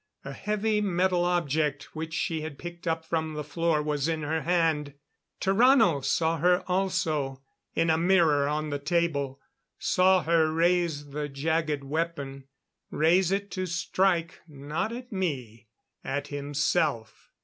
A heavy metal object which she had picked up from the floor was in her hand. Tarrano saw her also in a mirror on the table saw her raise the jagged weapon. Raise it to strike; not at me at himself.